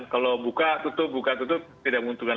kalau buka tutup buka tutup tidak menguntungkan